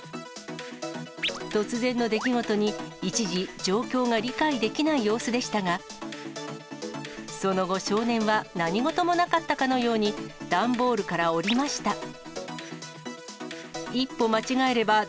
突然の出来事に、一時、状況が理解できない様子でしたが、その後、少年は何事もなかったかのように、段ボールから下りました。